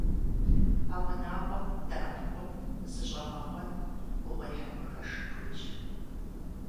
А унагъуэм дэӀэпыкъун, зыщӀэгъэкъуэн, гугъуехьым къыхэшын хуейщ.